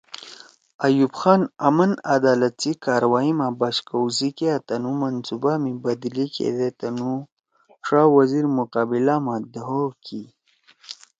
آیوب خان آمن عدالت سی کاروائی ما بش کؤ سی کیا تنُو منصوبہ می بدلی کیدے تنُو ڇا وزیر مقابلہ ما دھو کی